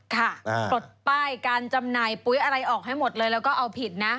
ปลดป้ายการจำหน่ายปุ๊ยอะไรออกให้หมดเลยแล้วก็เอาผิดนะ